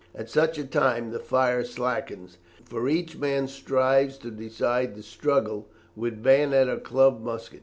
At such a time the fire slackens, for each man strives to decide the struggle, with bayonet or clubbed musket.